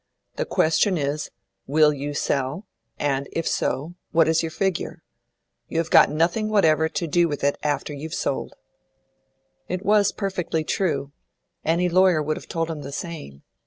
The question is, Will you sell, and, if so, what is your figure? You have got nothing whatever to do with it after you've sold." It was perfectly true. Any lawyer would have told him the same.